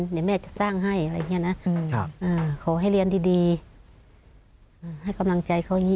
เดี๋ยวแม่จะสร้างให้ขอให้เรียนดีให้กำลังใจเขาอย่างนี้